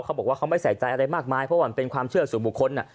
เขาบอกว่าเขาไม่ใส่ใจอะไรมากมายเพราะว่ามันเป็นความเชื่อสู่บุคคล